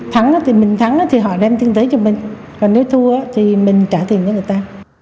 thắng thì mình thắng thì họ đem kinh tế cho mình còn nếu thua thì mình trả tiền cho người ta